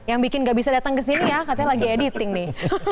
yang bikin gak bisa datang ke sini ya katanya lagi editing nih